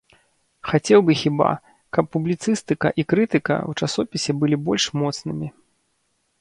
Хацеў бы хіба, каб публіцыстыка і крытыка ў часопісе былі больш моцнымі.